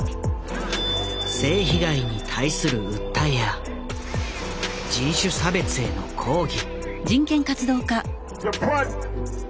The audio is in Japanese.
性被害に対する訴えや人種差別への抗議。